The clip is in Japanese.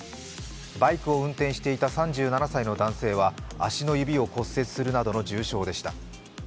バイクを運転していた３７歳の男性は足の指を骨折するなどの重傷でした。